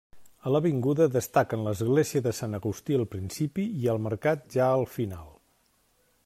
A l'avinguda destaquen l'església de Sant Agustí al principi i el Mercat ja al final.